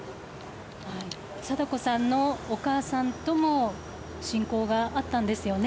禎子さんのお母さんとも親交があったんですよね？